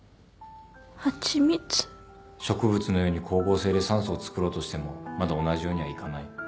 植物のように光合成で酸素をつくろうとしてもまだ同じようにはいかない。